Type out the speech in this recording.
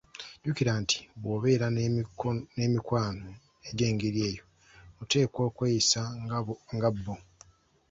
"Jjukira nti bw'obeera n'emikwano egyengeri eyo, oteekwa okweyisa nga bo."